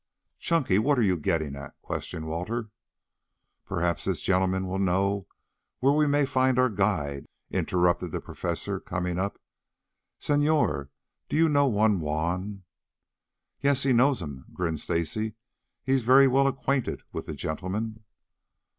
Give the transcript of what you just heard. "Chunky, what are you getting at?" questioned Walter. "Perhaps this gentleman will know where we may find our guide," interrupted the Professor, coming up. "Señor, do you know one Juan " "Yes, he knows him," grinned Stacy. "He's very well acquainted with the gentleman."